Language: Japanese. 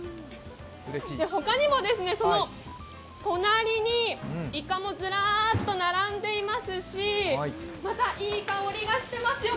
他にもその隣にイカもずらっと並んでいますし、また、いい香りがしていますよ。